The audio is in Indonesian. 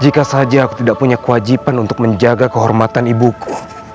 jika saja aku tidak punya kewajiban untuk menjaga kehormatan ibuku